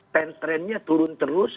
tentrennya turun terus